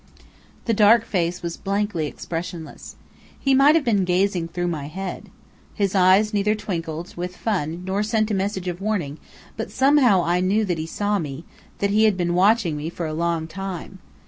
The dark face was blankly expressionless. He might have been gazing through my head. His eyes neither twinkled with fun nor sent a message of warning; but somehow I knew that he saw me, that he had been watching me for a long time.